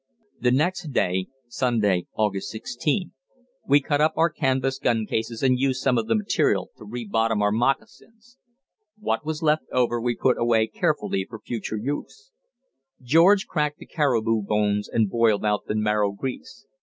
The next day (Sunday, August 16) we cut up our canvas guncases and used some of the material to re bottom our moccasins. What was left over we put away carefully for future use. George cracked the caribou bones and boiled out the marrow grease.